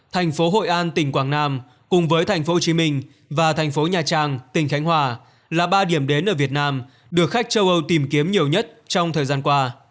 thành phố hội an tỉnh quảng nam cùng với thành phố hồ chí minh và thành phố nhà trang tỉnh khánh hòa là ba điểm đến ở việt nam được khách châu âu tìm kiếm nhiều nhất trong thời gian qua